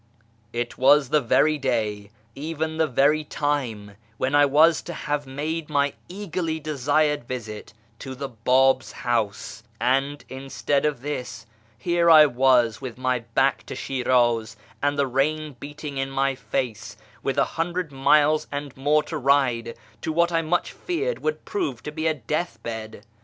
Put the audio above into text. It was the very day, even the very time, when I was to have made my eagerly desired visit to the Bab's house ; and instead of this, here I was with my back to Shiraz, and the rain beating in my face, with a hundred miles and more to ride, to what I much feared w^ould prove to be a deathbed.